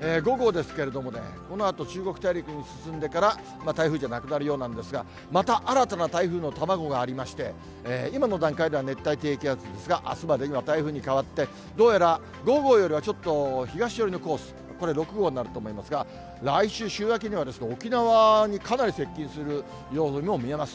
５号ですけれどもね、このあと、中国大陸に進んでから、台風じゃなくなるようなんですが、また新たな台風の卵がありまして、今の段階では熱帯低気圧ですが、あすまでには台風に変わって、どうやら５号よりはちょっと東寄りのコース、これ６号になると思いますが、来週週明けには、沖縄にかなり接近するようにも見えます。